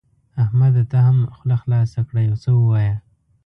احمده ته هم خوله خلاصه کړه؛ يو څه ووايه.